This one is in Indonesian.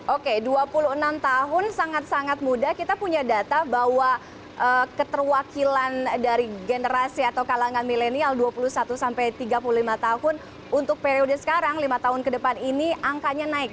oke dua puluh enam tahun sangat sangat muda kita punya data bahwa keterwakilan dari generasi atau kalangan milenial dua puluh satu sampai tiga puluh lima tahun untuk periode sekarang lima tahun ke depan ini angkanya naik